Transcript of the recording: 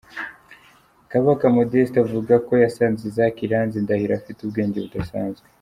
Kabaka Modeste avuga ko yasanze Isaac Iranzi Ndahiro afite ubwenge budasanzwe.